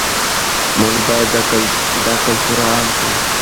موږ باید دا کلتور عام کړو.